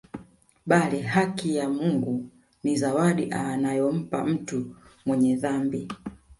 Bali haki ya Mungu ni zawadi anayompa mtu mwenye dhambi